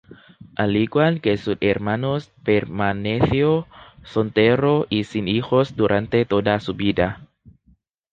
Al igual que sus hermanos permaneció soltero y sin hijos durante toda su vida.